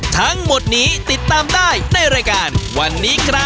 ทั้งหมดนี้ติดตามได้ในรายการวันนี้ครับ